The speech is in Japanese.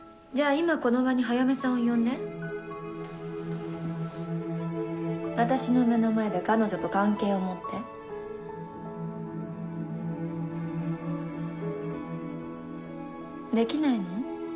今この場に早梅さんを呼んで私の目の前で彼女と関係を持ってできないの？